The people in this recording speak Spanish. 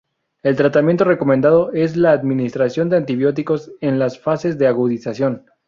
El tratamiento recomendado es la administración de antibióticos en las fases de agudización.